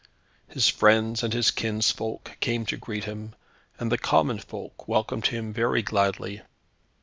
His friends and his kinsfolk came to greet him, and the common folk welcomed him very gladly.